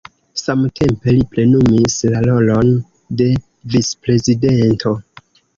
Samtempe li plenumis la rolon de vicprezidento.